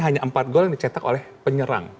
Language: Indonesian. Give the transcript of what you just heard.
hanya empat gol yang dicetak oleh penyerang